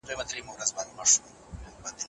هوښیاري د زده کړې د پروسې له لارې تقویه کیږي.